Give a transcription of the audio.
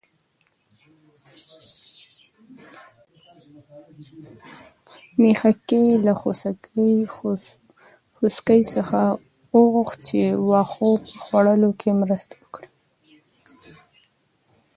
میښې له خوسکي څخه وغوښتل چې د واښو په خوړلو کې مرسته وکړي.